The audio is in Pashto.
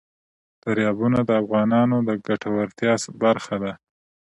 دریابونه د افغانانو د ګټورتیا برخه ده.